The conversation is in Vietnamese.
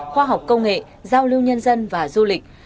khoa học công nghệ giao lưu nhân dân và du lịch